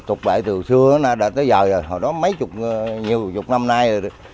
tục đệ từ xưa tới giờ rồi hồi đó mấy chục nhiều chục năm nay rồi